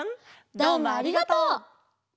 どうもありがとう！